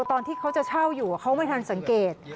ตอนที่เขาจะเช่าอยู่เขาไม่ทันสังเกต